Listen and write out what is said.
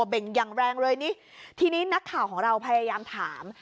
เบ่งอย่างแรงเลยนี่ทีนี้นักข่าวของเราพยายามถาม